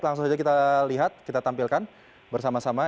langsung saja kita lihat kita tampilkan bersama sama